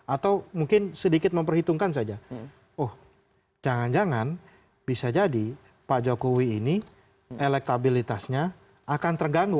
atau mungkin sedikit memperhitungkan saja oh jangan jangan bisa jadi pak jokowi ini elektabilitasnya akan terganggu